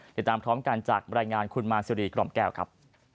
เดี๋ยวตามพร้อมกันจากรายงานคุณมาร์ซีรีส์กล่อมแก้วครับ